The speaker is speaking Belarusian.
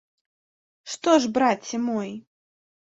Што ж, браце мой?